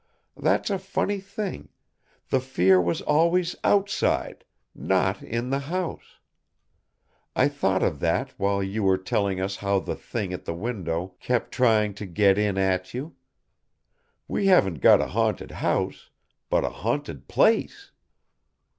That's a funny thing: the fear was always outside, not in the house. I thought of that while you were telling us how the Thing at the window kept trying to get in at you. We haven't got a haunted house, but a haunted place!"